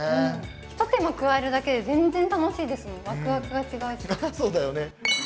一手間加えるだけで全然楽しそうだよね。